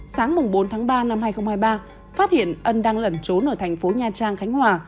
sáng bốn tháng ba năm hai nghìn hai mươi ba phát hiện ân đang lẩn trốn ở thành phố nha trang khánh hòa